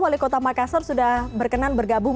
wali kota makassar sudah berkenan bergabung